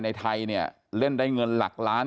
ไทยเนี่ยเล่นได้เงินหลักล้าน